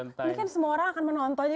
ini kan semua orang akan menonton